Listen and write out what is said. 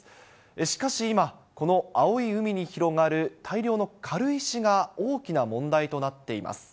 しかし今、この青い海に広がる大量の軽石が大きな問題となっています。